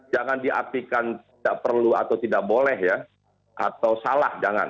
jangan diartikan tidak perlu atau tidak boleh ya atau salah jangan